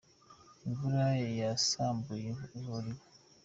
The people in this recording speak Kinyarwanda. Imvura yasambuye ivuriro